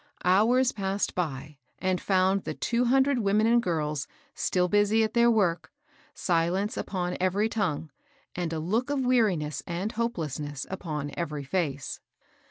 Hours passed by and found the two hundred women and girls still busy at their work, silence upon every tongue, and a look of weariness and hopelessness upon every fece.